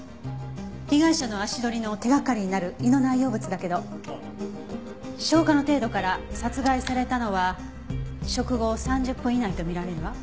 被害者の足取りの手掛かりになる胃の内容物だけど消化の程度から殺害されたのは食後３０分以内とみられるわ。